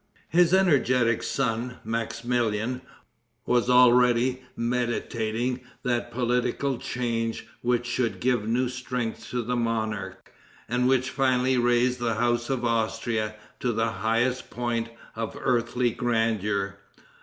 His energetic son, Maximilian, was already meditating that political change which should give new strength to the monarch, and which finally raised the house of Austria to the highest point of earthly grandeur.